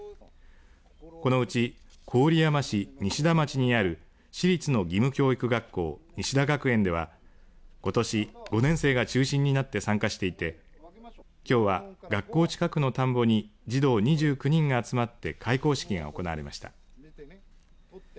このうち郡山市西田町にある私立の義務教育学校西田学園ではことし５年生が中心になって参加していてきょうは学校近くの田んぼに児童２９人が集まって開校式が行われました。